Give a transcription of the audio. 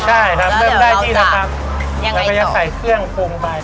ใช่ครับเริ่มได้ที่แล้วครับแล้วก็จะใส่เครื่องปรุงไป